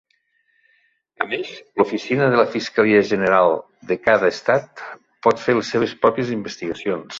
A més, l"oficina de la fiscalia general de cada estat pot fer les seves pròpies investigacions.